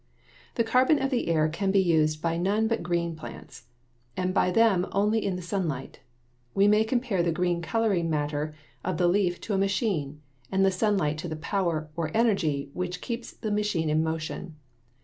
The carbon of the air can be used by none but green plants, and by them only in the sunlight. We may compare the green coloring matter of the leaf to a machine, and the sunlight to the power, or energy, which keeps the machine in motion.